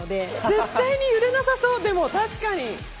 絶対に揺れなさそうでも確かに。